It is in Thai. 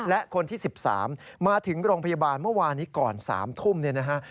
และคนที่๑๓มาถึงโรงพยาบาลเมื่อวานนี้ก่อน๓ทุ่มเนี่ยนะฮะ